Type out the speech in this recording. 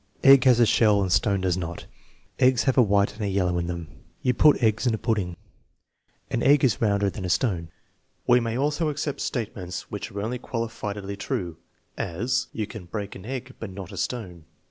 "Egg has a shell and stone does not." "Eggs have a white and a yellow in them." "You put eggs in a pudding." "An egg is rounder than a stone." We may also accept statements which are only qualifiedly true; as, "You can break an egg, but not a stone."